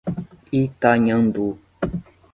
Itanhandu